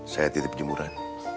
saya titip jemuran